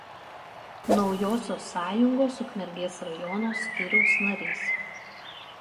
Naujosios sąjungos Ukmergės rajono skyriaus narys.